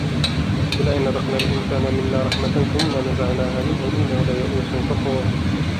ولئن أذقنا الإنسان منا رحمة ثم نزعناها منه إنه ليئوس كفور